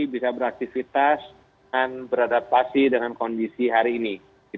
bisa beraktivitas dan beradaptasi dengan kondisi hari ini